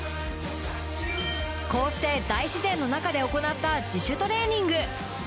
こうして大自然の中で行った自主トレーニング。